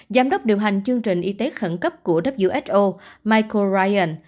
giám đốc điều hành chương trình y tế khẩn cấp của who micro ryan